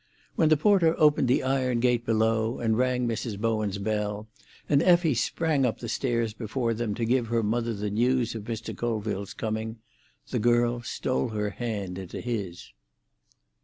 When the porter opened the iron gate below and rang Mrs. Bowen's bell, and Effie sprang up the stairs before them to give her mother the news of Mr. Colville's coming, the girl stole her hand into his.